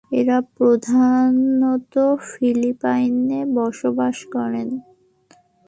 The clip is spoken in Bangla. এরা প্রধানত ফিলিপাইনে বসবাস করে।